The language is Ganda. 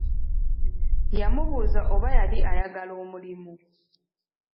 Yamubuuza oba yali ayagala omulimu.